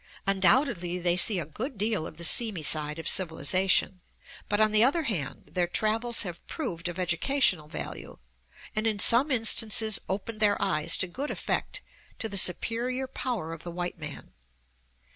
Undoubtedly they see a good deal of the seamy side of civilization; but, on the other hand, their travels have proved of educational value, and in some instances opened their eyes to good effect to the superior power of the white man.